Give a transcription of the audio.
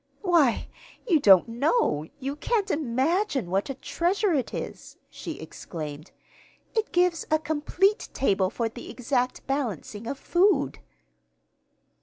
"Why, you don't know, you can't imagine what a treasure it is!" she exclaimed. "It gives a complete table for the exact balancing of food."